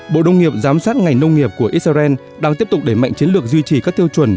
bộ đông nghiệp giám sát ngành nông nghiệp của israel đang tiếp tục đẩy mạnh chiến lược duy trì các tiêu chuẩn